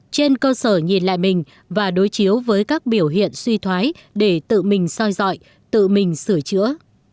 trên cơ sở nhìn lại mình và đối chiếu với các biểu hiện suy thoái để tự mình soi dọi tự mình sửa chữa